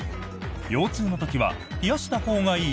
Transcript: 腰痛の時は冷やしたほうがいい？